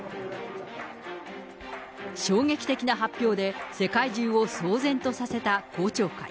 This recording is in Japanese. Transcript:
衝撃的な発表で、世界中を騒然とさせた公聴会。